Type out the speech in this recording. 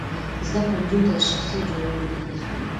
زده کړه نجونو ته د شخصیت جوړولو لارې ښيي.